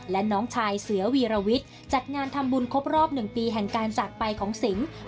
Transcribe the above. และน้องชายเสือวีรวิทย์จัดงานทำบุญครบรอบ๑ปีแห่งการจากไปของสิง